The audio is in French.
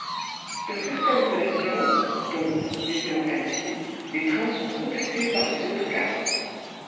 Sur certaines relations, dont Lyon - Annecy, les trains sont complétés par des autocars.